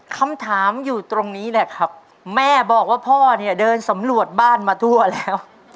คำถามอยู่ตรงนี้แหละครับแม่บอกว่าพ่อเนี่ยเดินสำรวจบ้านมาทั่วแล้ว